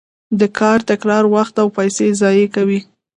د کار تکرار وخت او پیسې ضایع کوي.